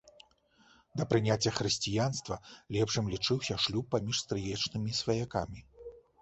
Да прыняцця хрысціянства лепшым лічыўся шлюб паміж стрыечнымі сваякамі.